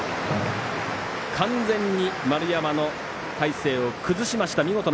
完全に丸山の体勢を崩しました。